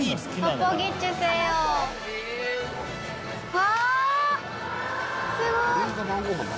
わすごい！